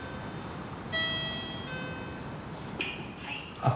「はい」。